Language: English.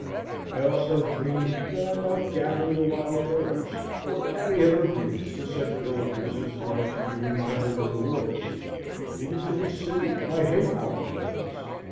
I also dreamed that I might gather the wild herbs, or carry evergreens to such villagers as loved to be reminded of the woods, even to the city, by hay cart loads.